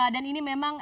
dan ini memang